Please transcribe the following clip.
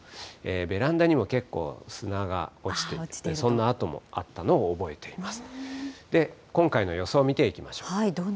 ベランダにも結構砂が落ちてくる、そんな跡もあったのを覚えています。